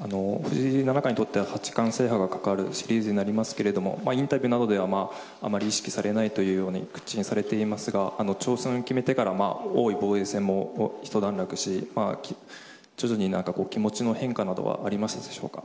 藤井七冠にとっては八冠制覇がかかるシリーズになりますけれどもインタビューなどではあまり意識されないと口にされていますが挑戦を決めてから王位防衛戦をひと段落し、徐々に気持ちの変化など、ありますでしょうか？